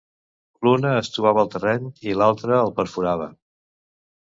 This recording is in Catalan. L'una estovava el terreny i l'altra el perforava.